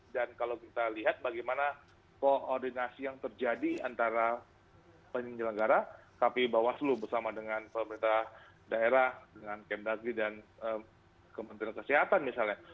dan kalau kita lihat bagaimana koordinasi yang terjadi antara penyelenggara kpu dan mbak waslu bersama dengan pemerintah daerah dengan kmdg dan kementerian kesehatan misalnya